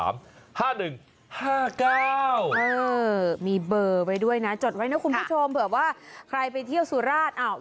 เออมีเบอร์ไว้ด้วยนะจดไว้นะคุณผู้ชมเผื่อว่าใครไปเที่ยวสุราช